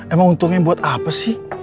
emang untungnya buat apa sih